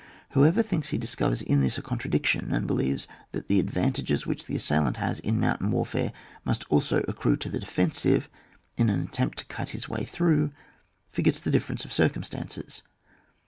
Whoever thinks he discovers in this a contradiction, and believes that the advantages which the assailant has in mountain warfare, must also accrue to the defensive in an attempt to cut his way through, forgets the dif ference of circumstances.